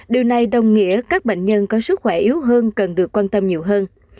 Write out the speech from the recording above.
điều này đồng nghĩa các bệnh nhân có sức khỏe yếu hơn cần được quan tâm nhiều hơn